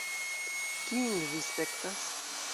Kiujn vi spektas?